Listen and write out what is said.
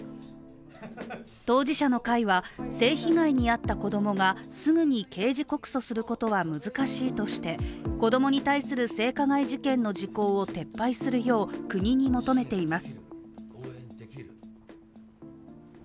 当事者の会は、性被害に遭った子供がすぐに刑事告訴することは難しいとして子供に対する性加害事件の時効を撤廃するよう国に求めています。